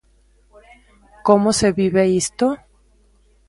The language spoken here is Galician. Como se vive isto?